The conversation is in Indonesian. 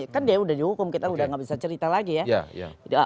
kan dia udah dihukum kita udah gak bisa cerita lagi ya